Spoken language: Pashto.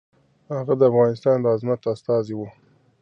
هغه د افغانستان د عظمت استازی و.